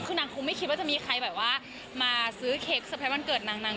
คือนางคงไม่คิดว่าจะมีใครมาซื้อเค้กสเตร็จวันเกิดนาง